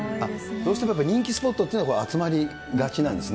どうしても人気スポットというのは集まりがちなんですね。